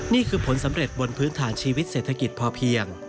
นี่คือผลสำเร็จบนพื้นฐานชีวิตเศรษฐกิจพอเพียง